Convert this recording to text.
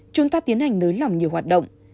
chúng ta tiến hành nước làm nhiều hoạt động